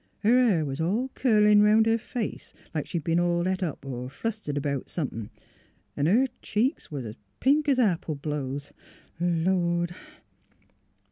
Her hair was all curlin' 'round her face, like she'd b'en all bet up or flustered 'bout somethin', 'n' her cheeks was pink es apple blows. ... Lord!